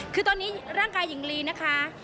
คือตอนนี้ร่างกายหญิงลีนะคะ